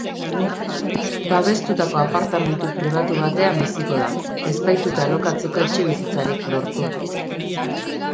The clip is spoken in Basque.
Babestutako apartamentu pribatu batean biziko da, ez baitute alokatzeko etxebizitzarik lortu.